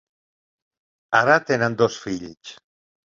Ara tenen dos fills.